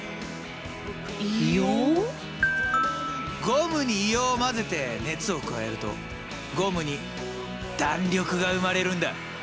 ゴムに硫黄を混ぜて熱を加えるとゴムに弾力が生まれるんだ。